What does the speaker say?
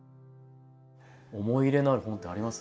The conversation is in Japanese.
思い入れのある本ってあります？